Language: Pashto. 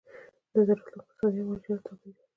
دا د راتلونکو اقتصادي او مالي شرایطو تابع دي.